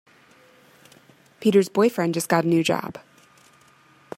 Peter's boyfriend just got a new job.